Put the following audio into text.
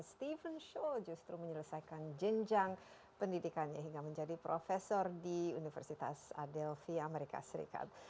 steven show justru menyelesaikan jenjang pendidikannya hingga menjadi profesor di universitas adelphia amerika serikat